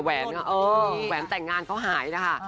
แหวนค่ะเออแหวนแต่งงานเขาหายนะคะ